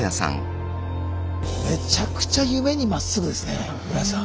めちゃくちゃ夢にまっすぐですね室屋さん。